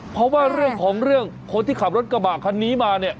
เพราะว่าเรื่องของเรื่องคนที่ขับรถกระบะคันนี้มาเนี่ย